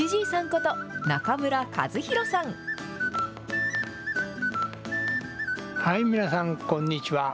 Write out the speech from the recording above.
こと、はい、皆さん、こんにちは。